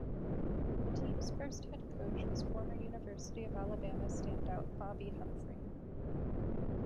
The team's first head coach was former University of Alabama standout Bobby Humphrey.